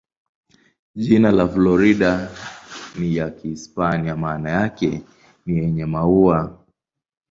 Jina la Florida ni ya Kihispania, maana yake ni "yenye maua".